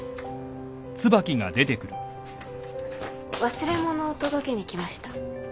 忘れ物を届けに来ました。